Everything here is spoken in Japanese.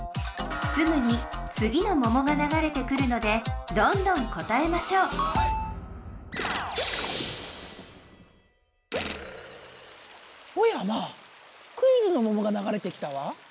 すぐにつぎのももがながれてくるのでどんどん答えましょうおやまあクイズのももがながれてきたわ。